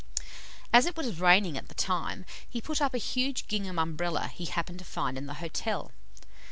As it was raining at the time, he put up a huge gingham Umbrella he happened to find in the hotel.